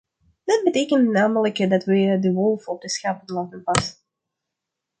Dat betekent namelijk dat wij de wolf op de schapen laten passen.